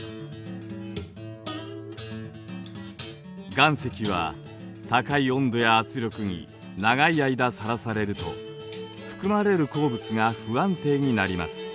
岩石は高い温度や圧力に長い間さらされると含まれる鉱物が不安定になります。